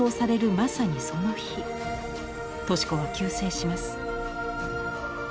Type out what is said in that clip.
まさにその日敏子は急逝します。